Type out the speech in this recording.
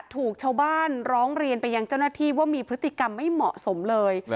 ถูกชาวบ้านร้องเรียนไปยังเจ้าหน้าที่ว่ามีพฤติกรรมไม่เหมาะสมเลย